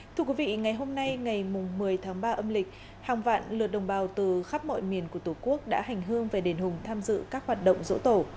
thưa quý vị ngày hôm nay ngày một mươi tháng ba âm lịch hàng vạn lượt đồng bào từ khắp mọi miền của tổ quốc đã hành hương về đền hùng tham dự các hoạt động dỗ tổ